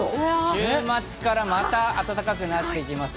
週末からまた暖かくなってきます。